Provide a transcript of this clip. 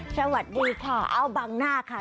สวัสดีค่ะเอ้าบังหน้าค่ะ